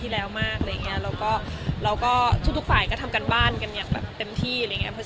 แล้วทุกฝ่ายก็ทำการบ้านกันอย่างเต็มที่